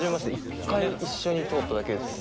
１回一緒に撮っただけですもんね。